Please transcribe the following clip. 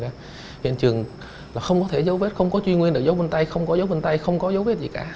đại hành trường là không có thể dấu vết không có chuyên nghiên trực giấu vân tay không có dấu vân tay không có dấu vết gì cả